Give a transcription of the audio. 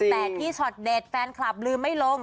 แต่ที่ช็อตเด็ดแฟนคลับลืมไม่ลง